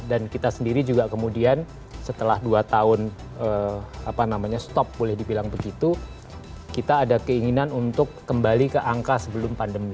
dan kita sendiri juga kemudian setelah dua tahun stop boleh dibilang begitu kita ada keinginan untuk kembali ke angka sebelum pandemi